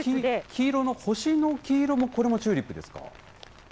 黄色の、星の黄色も、これもチューリップですか？